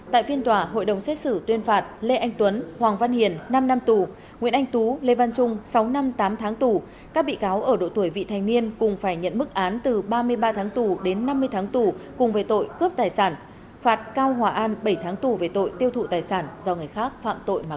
tại phiên tòa hội đồng xét xử tuyên phạt lê anh tuấn hoàng văn hiền năm năm tù nguyễn anh tú lê văn trung sáu năm tám tháng tù các bị cáo ở độ tuổi vị thành niên cùng phải nhận mức án từ ba mươi ba tháng tù đến năm mươi tháng tù cùng với tội cướp tài sản phạt cao hòa an bảy tháng tù về tội tiêu thụ tài sản do người khác phạm tội mà có